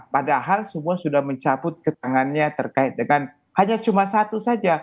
padahal semua sudah mencabut keterangannya terkait dengan hanya cuma satu saja